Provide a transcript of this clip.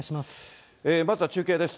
まずは中継です。